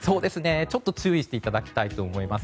ちょっと注意していただきたいと思います。